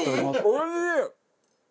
おいしい！